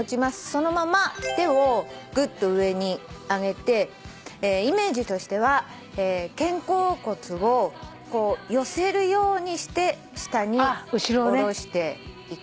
そのまま手をぐっと上に上げてイメージとしては肩甲骨をこう寄せるようにして下に下ろしていきます。